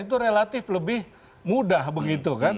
itu relatif lebih mudah begitu kan